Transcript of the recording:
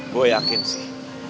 gue yakin sih